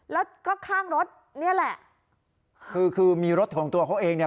แล้วก็ข้างรถนี่แหละคือคือมีรถของตัวเขาเองเนี่ย